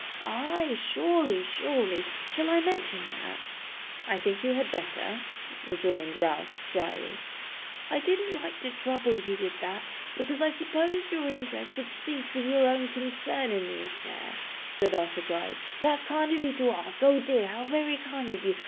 Ay, surely, surely. Shall I mention that?' 'I think you had better,' rejoined Ralph, drily. 'I didn't like to trouble you with that, because I supposed your interest would cease with your own concern in the affair,' said Arthur Gride. 'That's kind of you to ask. Oh dear, how very kind of you!